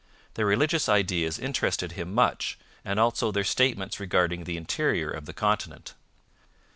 Their religious ideas interested him much, and also their statements regarding the interior of the continent.